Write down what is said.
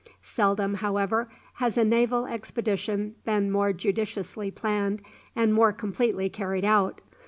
Seldom, however, has a naval expedition been more judiciously planned and more completely carried out.